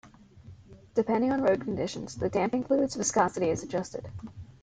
Depending on road conditions, the damping fluid's viscosity is adjusted.